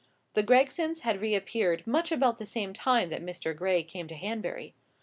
The Gregsons had reappeared much about the same time that Mr. Gray came to Hanbury.